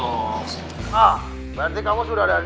nah berarti kamu sudah ada niat kemon